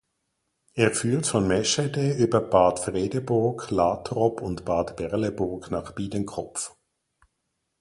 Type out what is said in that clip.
Er führt von Meschede über Bad Fredeburg, Latrop und Bad Berleburg nach Biedenkopf.